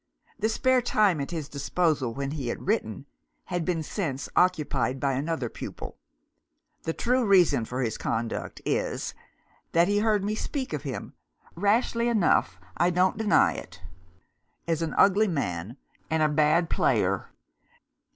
The spare time at his disposal, when he had written, had been since occupied by another pupil. The true reason for his conduct is, that he heard me speak of him rashly enough, I don't deny it as an ugly man and a bad player.